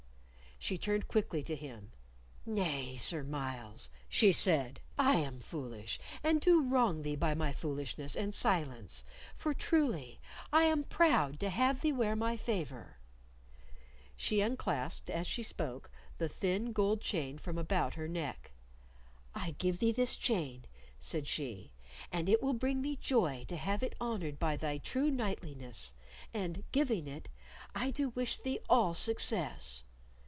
She turned quickly to him: "Nay, Sir Myles," she said, "I am foolish, and do wrong thee by my foolishness and silence, for, truly, I am proud to have thee wear my favor." She unclasped, as she spoke, the thin gold chain from about her neck. "I give thee this chain," said she, "and it will bring me joy to have it honored by thy true knightliness, and, giving it, I do wish thee all success."